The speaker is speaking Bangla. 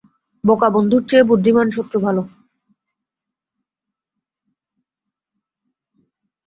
বোকা বন্ধুর চেয়ে বুদ্ধিমান শত্রু ভালো।